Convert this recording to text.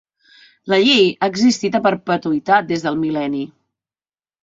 La llei ha existit a perpetuïtat des del mil·lenni.